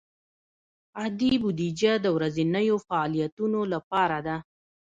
عادي بودیجه د ورځنیو فعالیتونو لپاره ده.